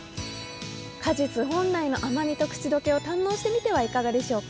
果実本来の甘みと口溶けを堪能してみてはいかがでしょうか。